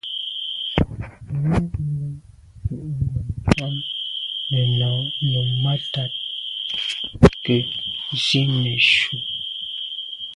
Miaglo tù’ ngom am me nô num mata nke nzi neshu.